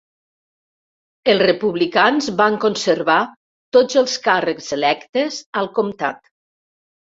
Els Republicans van conservar tots els càrrecs electes al comtat.